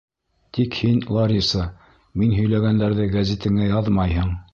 Тик һин, Лариса, мин һөйләгәндәрҙе гәзитеңә яҙмайһың!